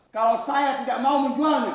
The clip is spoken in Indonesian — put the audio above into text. kalau saya tidak mau menjual